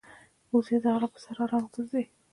وزې د غره پر سر آرامه ګرځي